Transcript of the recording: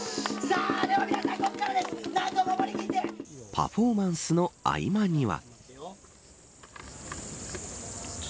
パフォーマンスの合間には。